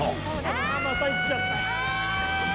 ああまたいっちゃった。